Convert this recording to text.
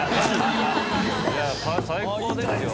いや最高ですよ。